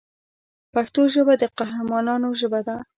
پښتو ژبه د قهرمانانو ژبه ده.